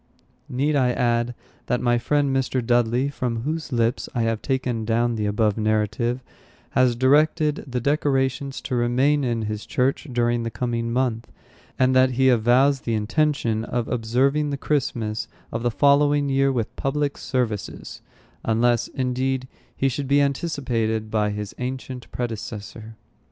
Need I add, that my friend, Mr. Dudley, from whose lips I have taken down the above narrative, has directed the decorations to remain in his church during the coming month, and that he avows the intention of observing the Christmas of the following year with public services, unless, indeed, he should be anticipated by his ancient predecessor.